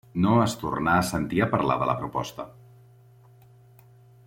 No es tornà a sentir a parlar de la proposta.